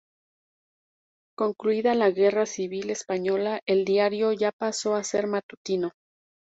Concluida la Guerra Civil Española, el diario "Ya" pasó a ser matutino.